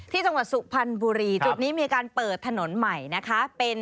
จังหวัดสุพรรณบุรีจุดนี้มีการเปิดถนนใหม่นะคะ